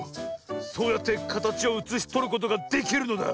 そうやってかたちをうつしとることができるのだ。